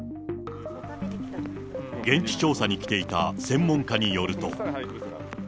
現地調査に来ていた専門家によると。